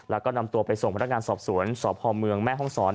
แล้วก็นำตัวไปส่งมาทางการสอบสวนสอบพอเมืองแม่ห้องสอน